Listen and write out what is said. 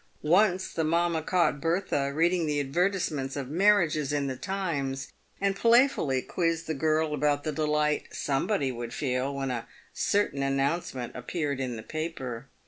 Once the mamma caught Bertha reading the advertisements of marriages in the Times, and playfully quizzed the girl about the delight somebody would feel when a certain an nouncement appeared in the paper.